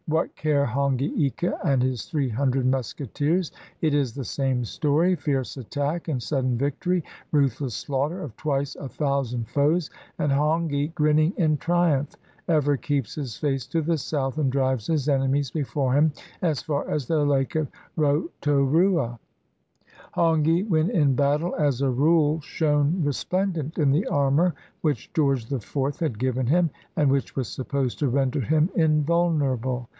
WTiat care Hongi Ika and his three hun dred musketeers? It is the same story — fierce attack and sudden victory, ruthless slaughter of twice a thou sand foes, and Hongi, grinning in triumph, ever keeps his face to the south and drives his enemies before him as far as the Lake of Rotorua. Hongi, when in battle, as a rule shone resplendent in the armor which George IV had given him, and which was supposed to render him invulnerable.